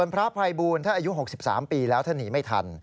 พระภัยบูรณ์ถ้าอายุ๖๓ปีแล้วถ้านีไม่ทัน